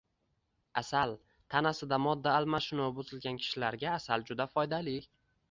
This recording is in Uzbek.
Asal tanasida modda almashinuvi buzilgan kishilarga asal juda foydali.